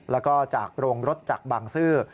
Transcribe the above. และจากโรงรถจักรบางซื่อ